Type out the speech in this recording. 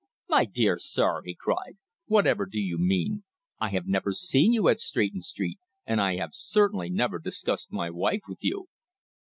"My dear sir!" he cried. "Whatever do you mean? I have never seen you at Stretton Street; and I have certainly never discussed my wife with you!"